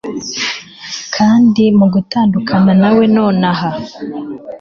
kandi, mugutandukana nawe nonaha